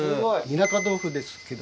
田舎豆腐ですけど。